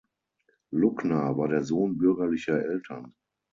Luckner war der Sohn bürgerlicher Eltern.